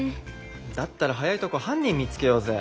だったら早いとこ犯人見つけようぜ。